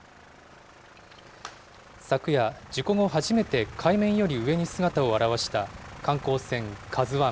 昨夜、事故後初めて海面より上に姿を現した観光船、ＫＡＺＵＩ。